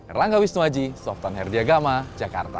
erlangga wisnuaji softan herdiagama jakarta